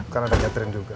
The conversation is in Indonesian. kan ada catherine juga